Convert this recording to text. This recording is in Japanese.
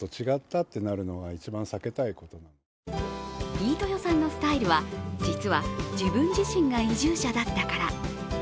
飯豊さんのスタイルは実は自分自身が移住者だったから。